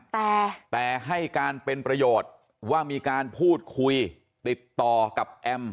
แต่แต่ให้การเป็นประโยชน์ว่ามีการพูดคุยติดต่อกับแอม